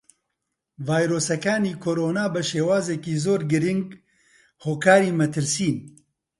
ڤایرۆسەکانی کۆڕۆنا بەشێوازێکی زۆر گرینگ هۆکاری مەترسین.